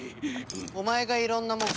お前がいろんなもん